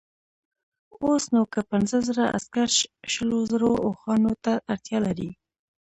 اوس نو که پنځه زره عسکر شلو زرو اوښانو ته اړتیا لري.